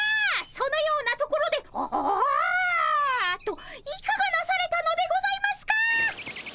そのようなところで「ああ」といかがなされたのでございますか？